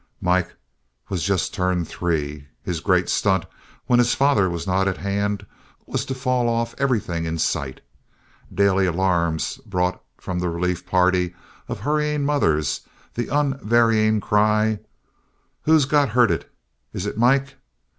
Mike was just turned three. His great stunt, when his father was not at hand, was to fall off everything in sight. Daily alarms brought from the relief party of hurrying mothers the unvarying cry, "Who's got hurted? Is it Mike?"